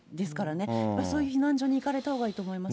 やっぱりそういう避難所に行かれたほうがいいと思いますし。